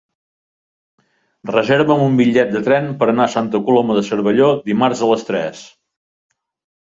Reserva'm un bitllet de tren per anar a Santa Coloma de Cervelló dimarts a les tres.